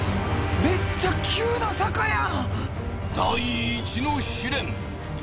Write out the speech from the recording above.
めっちゃ急な坂やん！